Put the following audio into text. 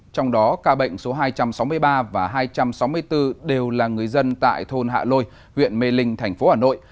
trong đó ca bệnh số hai trăm sáu mươi ba và hai trăm sáu mươi bốn đều là người dân tại thôn hạ lôi huyện mê linh thành phố hà nội